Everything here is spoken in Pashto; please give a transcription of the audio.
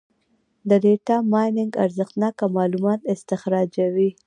د ډیټا مایننګ ارزښتناکه معلومات استخراجوي.